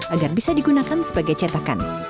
agar bisa digunakan sebagai cetakan